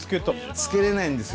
つけれないんですよ